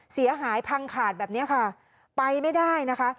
เสียหายพังขาดแบบนี้ค่ะไปไม่ได้นะคะ